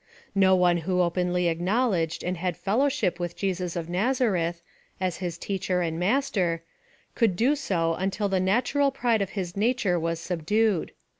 No one who openly acknowl edged and had fellowship with Jesus of Nazareth, as his Teacher and Master, could do so until the natural pride of his nature was subdued.